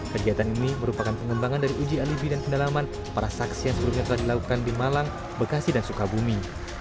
kegiatan ini merupakan pengembangan dari uji alibi dan pendalaman para saksi yang sebelumnya telah dilakukan di malang bekasi dan sukabumi